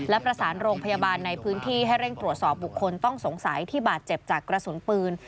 และประสานโรงพยาบาลในพื้นที่ให้เร่งตรวจสอบบุคคลต้องสงสัยที่บาดเจ็บจากกระสุนปืน